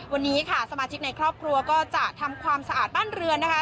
วันนี้ค่ะสมาชิกในครอบครัวก็จะทำความสะอาดบ้านเรือนนะคะ